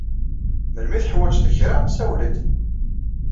Melmi i tuḥwaǧeḍ kra, sawel-d!